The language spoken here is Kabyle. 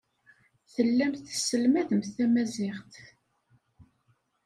Tellamt tesselmademt tamaziɣt.